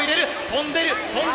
飛んでる！